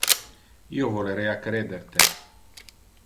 Io volerea creder te.